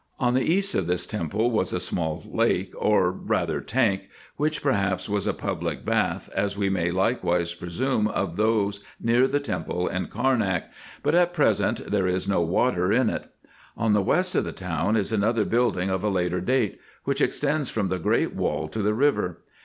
On the east of this temple was a small lake, or rather tank, which perhaps was a public bath, as we may likewise presume of those near the temple in Carnak ; but at pre sent there is no water in it. On the west of the town is another building, of a later date, which extends from the great wall to the river.